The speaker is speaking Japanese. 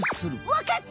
わかった！